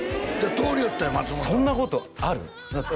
通りよったんや松本そんなことある？